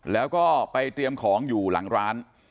แล้วก็ไปเตรียมของอยู่หลังร้าน